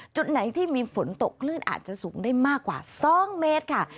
จุดไหนที่มีฝนตกคลื่นอาจจะสูงได้มากกว่า๒เมตรค่ะ